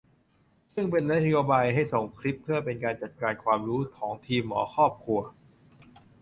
ซึ่งเป็นนโยบายให้ส่งคลิปเพื่อเป็นการจัดการความรู้ของทีมหมอครอบครัว